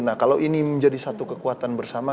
nah kalau ini menjadi satu kekuatan bersama